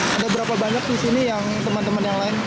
ada berapa banyak di sini yang teman teman yang lain